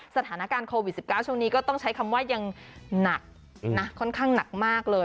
สถานการณ์โควิด๑๙ช่วงนี้ก็ต้องใช้คำว่ายังหนักนะค่อนข้างหนักมากเลย